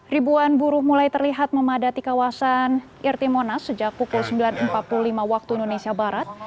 ribuan buruh mulai terlihat memadati kawasan irti monas sejak pukul sembilan empat puluh lima waktu indonesia barat